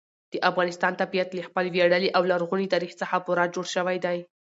د افغانستان طبیعت له خپل ویاړلي او لرغوني تاریخ څخه پوره جوړ شوی دی.